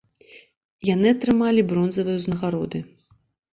Яны атрымалі бронзавыя ўзнагароды.